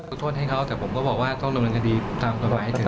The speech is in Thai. ก็โทษให้เขาแต่ผมก็บอกว่าต้องรวมรันยาดีตามกรรมให้ถึง